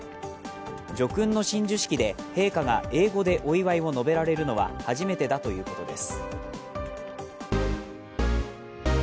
叙勲の親授式で陛下が英語でお祝いを述べられるのは初めてだということです。